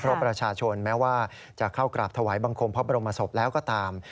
เพราะประชาชนแม้ว่าจะเข้ากราบถวายบังคมพระบรมศพแล้วก็ตาม